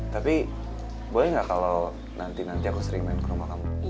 tapi boleh nggak kalau nanti nanti aku sering main ke rumah kamu